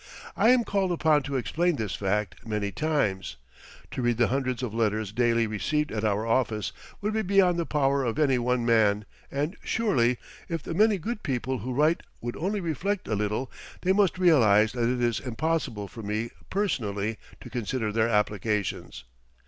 I am called upon to explain this fact many times. To read the hundreds of letters daily received at our office would be beyond the power of any one man, and surely, if the many good people who write would only reflect a little, they must realize that it is impossible for me personally to consider their applications.